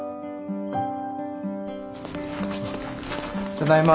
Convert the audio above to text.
ただいま。